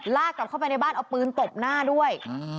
ลากกลับเข้าไปในบ้านเอาปืนตบหน้าด้วย